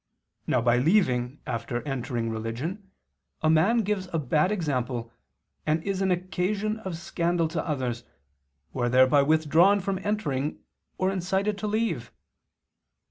Now by leaving after entering religion a man gives a bad example and is an occasion of scandal to others, who are thereby withdrawn from entering or incited to leave.